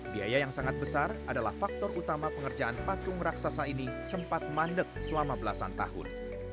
biaya yang sangat besar adalah faktor utama pengerjaan patung raksasa ini sempat mandek selama belasan tahun